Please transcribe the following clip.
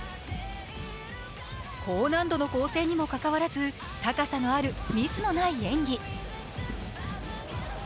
高難度の構成にもかかわらず高さのあるミスのない演技。